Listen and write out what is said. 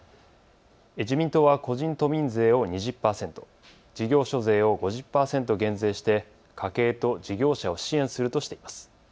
自民党は個人都民税を２０％、事業所税を５０％減税して家計と事業者を支援するとしています。